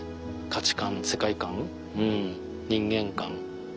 価値観世界観人間観。